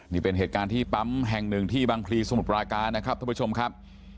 นี่เป็นเหตุการณ์ที่ปั๊มแห่งหนึ่งที่บางพลีสมุทรปราการนะครับท่านผู้ชมครับ